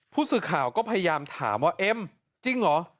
ผู้สื่อข่าวก็พยายามถามว่าเอ็มจริงเหรอ